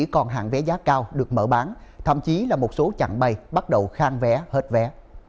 còn hàng vé giá cao được mở bán thậm chí là một số chặng bay bắt đầu khang vé hết vé